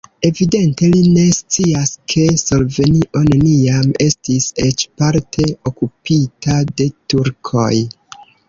Evidente li ne scias, ke Slovenio neniam estis eĉ parte okupita de turkoj.